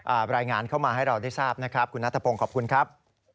อ่ารายงานเข้ามาให้เราได้ทราบนะครับ